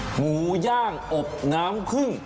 หมูย่างอบน้ำพึ่ง